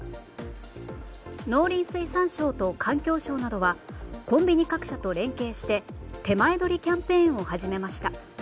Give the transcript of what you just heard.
農林水産省と環境省などはコンビニ各社と連携しててまえどりキャンペーンを始めました。